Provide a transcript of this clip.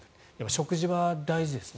食事は大事ですね。